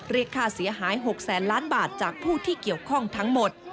เรียกค่าเสียหาย๖แสนล้านบาทจากผู้ที่เกี่ยวข้องทั้งหมด